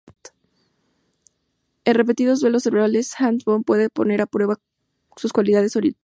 En repetidos duelos verbales, Hans Böhm pudo poner a prueba sus cualidades oratorias.